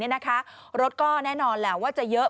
รถก็แน่นอนแน่นอนแน่ว่าจะเยอะ